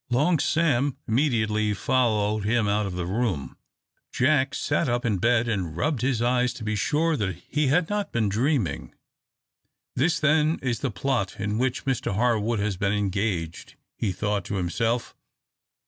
Long Sam immediately followed him out of the room. Jack sat up in bed and rubbed his eyes to be sure that he had not been dreaming. "This, then, is the plot in which Mr Harwood has been engaged," he thought to himself.